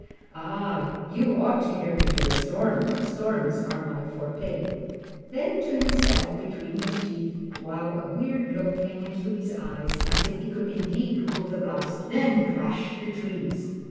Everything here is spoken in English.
"Ah, you ought to hear me do a storm! Storms are my forte!" Then to himself between his teeth, while a weird look came into his eyes as if he could indeed rule the blast, "Then crash the trees!"